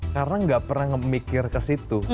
karena nggak pernah mikir ke situ